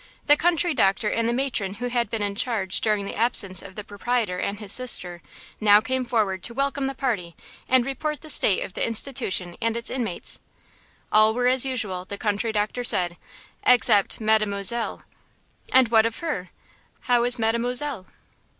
The country doctor and the matron who had been in charge during the absence of the proprietor and his sister now came forward to welcome the party and report the state of the institution and its inmates. All were as usual, the country doctor said, except "Mademoiselle." "And what of her–how is Mademoiselle?"